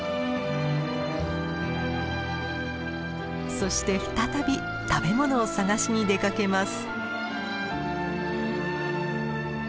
そして再び食べ物を探しに出かけます。